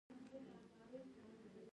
نوموړي د سولې هڅې تر پوښتنې لاندې راوستې.